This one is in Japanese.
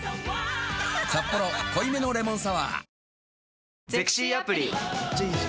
「サッポロ濃いめのレモンサワー」